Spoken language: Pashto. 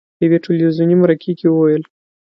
په یوې تلویزوني مرکې کې وویل: